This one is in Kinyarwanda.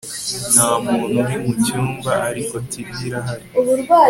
Nta muntu uri mucyumba ariko TV irahari